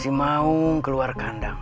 si maung keluar kandang